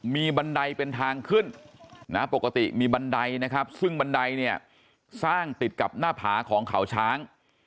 มีบันไดเป็นทางขึ้นนะปกติมีบันไดนะครับซึ่งบันไดเนี่ยสร้างติดกับหน้าผาของเขาช้าง